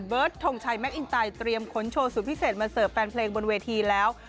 ทงชัยแมคอินไตเตรียมขนโชว์สุดพิเศษมาเสิร์ฟแฟนเพลงบนเวทีแล้ว